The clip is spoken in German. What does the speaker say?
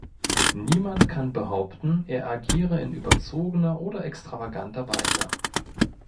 Niemand kann behaupten, er agiere in überzogener oder extravaganter Weise.